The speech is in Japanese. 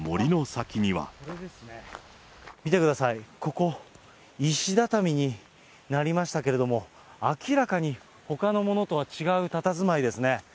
見てください、ここ、石畳になりましたけれども、明らかにほかのものとは違うたたずまいですね。